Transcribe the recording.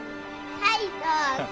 はいどうぞ。